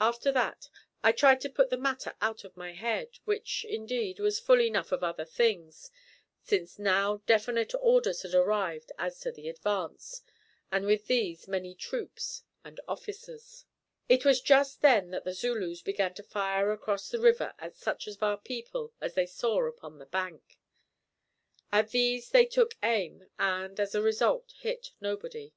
After that I tried to put the matter out of my head, which indeed was full enough of other things, since now definite orders had arrived as to the advance, and with these many troops and officers. [Illustration: "Then he lifted himself upon one arm, and with the other saluted"] It was just then that the Zulus began to fire across the river at such of our people as they saw upon the bank. At these they took aim, and, as a result, hit nobody.